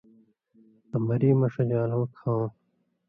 آں مری مہ ݜژان٘لو کھؤں